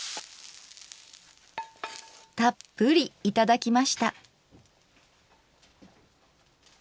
たっぷりいただきました。